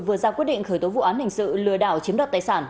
vừa ra quyết định khởi tố vụ án hình sự lừa đảo chiếm đoạt tài sản